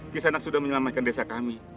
kisanak sudah menyelamatkan desa kami